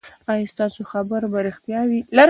ایا ستاسو خبر به ریښتیا وي؟